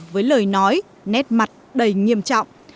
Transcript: với lời nói nét mặt đầy nghiêm trọng